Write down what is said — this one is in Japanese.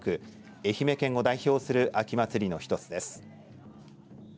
愛媛県を代表する秋祭りの一つです。